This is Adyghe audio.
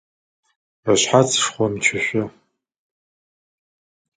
Ышъхьац шхъомчышъо.